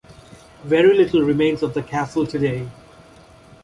Very little remains of the castle today.